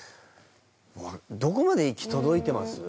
どこまで行き届いてます？